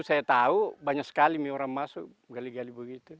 saya tahu banyak sekali orang masuk gali gali begitu